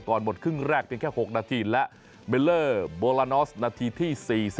ก่อนหมดครึ่งแรกเพียงแค่๖นาทีและเมลเลอร์โบรานอสนาทีที่๔๐